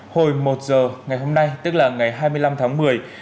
hồi một giờ ngày hôm nay tức là ngày hai mươi năm tháng một mươi